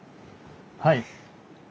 はい。